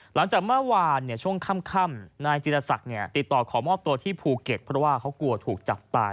หลังจากเมื่อวานช่วงค่ำนายจิรศักดิ์ติดต่อขอมอบตัวที่ภูเก็ตเพราะว่าเขากลัวถูกจับตาย